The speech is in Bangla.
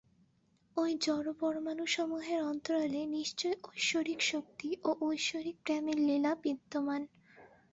ঐ জড়-পরমাণুসমূহের অন্তরালে নিশ্চয়ই ঐশ্বরিক শক্তি ও ঐশ্বরিক প্রেমের লীলা বিদ্যমান।